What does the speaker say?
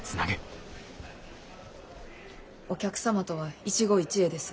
お客様とは一期一会です。